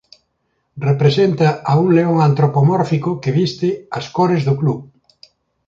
Representa a un león antropomórfico que viste as cores do club.